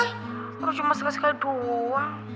harus cuma sekali sekali doang